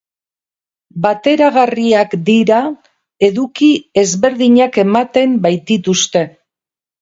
Bateragarria dira, eduki ezberdinak ematen baitituzte.